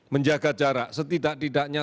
menjaga jarak setidak tidaknya